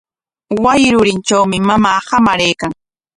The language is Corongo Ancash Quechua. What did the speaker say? Wasi rurintrawmi mamaa hamaraykan.